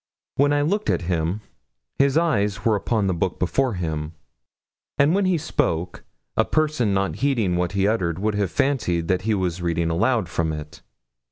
When I looked at him, his eyes were upon the book before him; and when he spoke, a person not heeding what he uttered would have fancied that he was reading aloud from it.